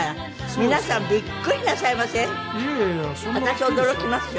私驚きますよ。